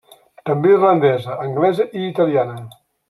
També irlandesa, anglesa i italiana.